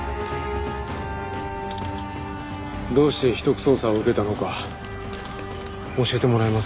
どうして秘匿捜査を受けたのか教えてもらえますか？